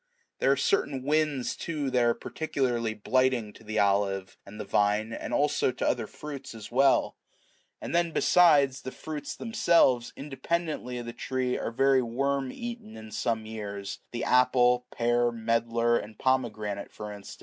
There are certain winds, too, that are particularly blighting to the olive and the vine, as also to other fruits as well : and then besides, the fruits themselves, independently of the tree, are very much worm eaten in some years, the apple, pear, medlar, and pomegranate for instance.